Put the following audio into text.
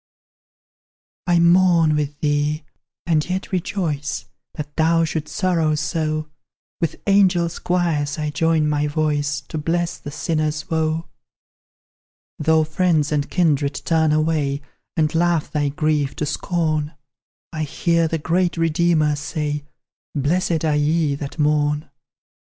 I mourn with thee, and yet rejoice That thou shouldst sorrow so; With angel choirs I join my voice To bless the sinner's woe. Though friends and kindred turn away, And laugh thy grief to scorn; I hear the great Redeemer say, "Blessed are ye that mourn."